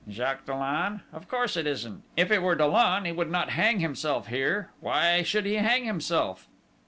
"Jacques Dollon? Of course, it isn't!... If it were Dollon, he would not hang himself here.... Why should he hang himself?"